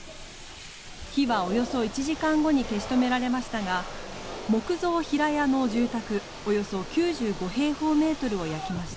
火はおよそ１時間後に消し止められましたが木造平屋の住宅およそ９５平方メートルを焼きました。